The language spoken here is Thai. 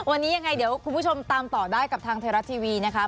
วันนี้ยังไงเดี๋ยวคุณผู้ชมตามต่อได้กับทางไทยรัฐทีวีนะคะ